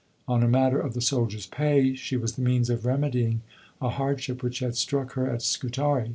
On a matter of the soldiers' pay, she was the means of remedying a hardship which had struck her at Scutari.